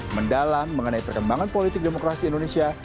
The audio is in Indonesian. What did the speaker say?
mendalam mengenai perkembangan politik demokrasi indonesia